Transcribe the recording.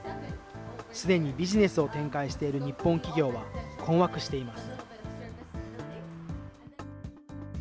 すでにビジネスを展開している日本企業は困惑しています。